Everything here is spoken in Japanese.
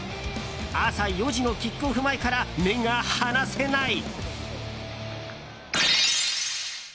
朝４時のキックオフ前から目が離せない。